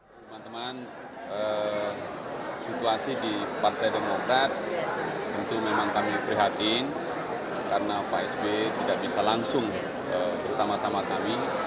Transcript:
teman teman situasi di partai demokrat tentu memang kami prihatin karena pak sby tidak bisa langsung bersama sama kami